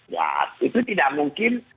ya itu tidak mungkin